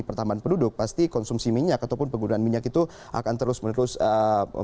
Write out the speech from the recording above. pertambahan penduduk pasti konsumsi minyak ataupun penggunaan minyak itu akan terus menerus